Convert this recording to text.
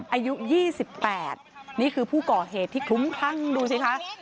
อายุ๒๘นี่คือผู้ก่อเหตุที่คลุ้มคลั่งดูสิคะ